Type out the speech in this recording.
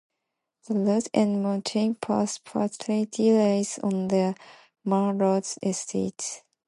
The route and mountain pass partially lies on the Mar Lodge Estate.